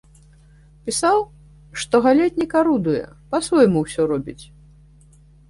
Пісаў, што галетнік арудуе, па-свойму ўсё робіць.